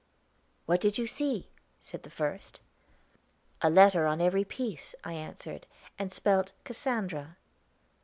"'What do you see?' said the first. "'A letter on every piece,' I answered, and spelt Cassandra.